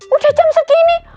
udah jam segini